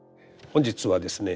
本日はですね